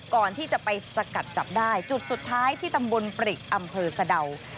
ก่อนที่จะไปสกัดจับได้จุดสุดท้ายที่ตำบลปริกอำเภอสะดาว